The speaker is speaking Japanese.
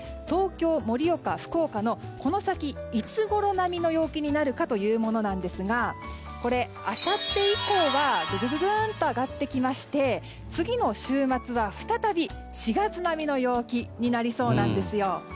東京、盛岡、福岡のこの先いつごろ並みの陽気になるかというものなんですがあさって以降はぐぐーんと上がってきまして次の週末は再び４月並みの陽気になりそうなんです。